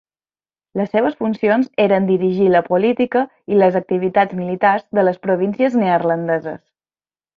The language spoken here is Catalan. Les seves funcions eren dirigir la política i les activitats militars de les províncies neerlandeses.